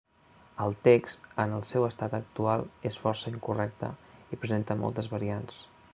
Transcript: El text en el seu estat actual és força incorrecte i presenta moltes variants.